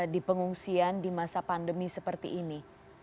di pengungsian di masa pandemi seperti ini